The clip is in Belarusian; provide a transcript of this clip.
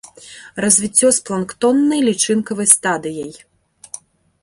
Развіццё з планктоннай лічынкавай стадыяй.